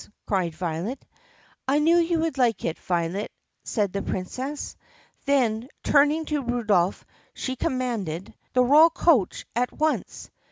cried Violet. "I knew you would like it, Violet," said the Princess. Then, turning to Rudolph she commanded, "The royal coach at once!"